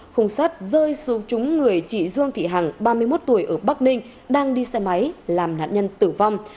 khung sát rơi xuống chúng người chị duong thị hằng ba mươi một tuổi ở bắc ninh đang đi xe máy làm nạn nhân tử vong